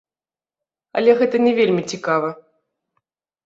Але гэта не вельмі цікава.